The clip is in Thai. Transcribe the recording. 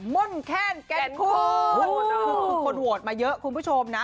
ม่นแคนแก่นคู่คือคนโหวตมาเยอะคุณผู้ชมนะ